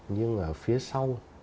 nhưng ở phía sau